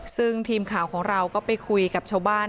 ซึ่งทีมข่าวของเราก็ไปคุยกับชาวบ้าน